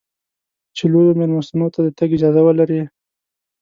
چې لویو مېلمستونو ته د تګ اجازه ولرې.